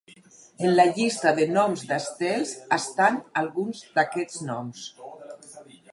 En la llista de noms d'estels estan alguns d'aquests noms.